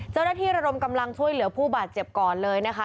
เจ้าหน้าที่ระนมกำลังช่วยเหลือผู้บาดเจ็บก่อนเลยนะคะ